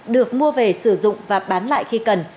được mua về sử dụng và bán lại khi cần